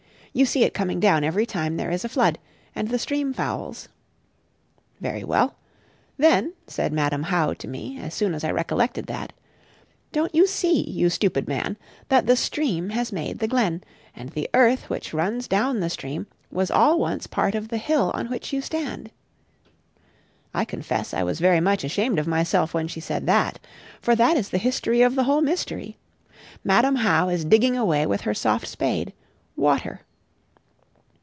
You see it coming down every time there is a flood, and the stream fouls. Very well. Then, said Madam How to me, as soon as I recollected that, "Don't you see, you stupid man, that the stream has made the glen, and the earth which runs down the stream was all once part of the hill on which you stand." I confess I was very much ashamed of myself when she said that. For that is the history of the whole mystery. Madam How is digging away with her soft spade, water.